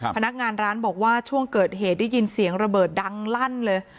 พนักงานร้านบอกว่าช่วงเกิดเหตุได้ยินเสียงระเบิดดังลั่นเลย